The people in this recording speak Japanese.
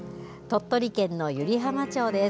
鳥取県の湯梨浜町です。